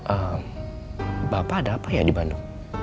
eh bapak ada apa ya di bandung